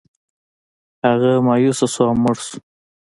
هغه مایوسه شو او مړ شو.